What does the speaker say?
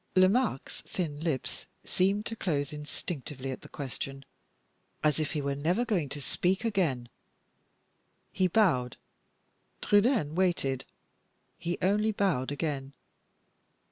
Lomaque's thin lips seemed to close instinctively at the question, as if he were never going to speak again. He bowed Trudaine waited he only bowed again.